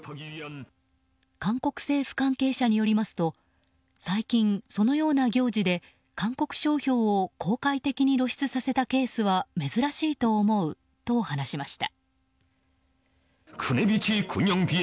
韓国政府関係者によりますと最近そのような行事で韓国商標を公開的に露出させたケースは珍しいと思うと話しました。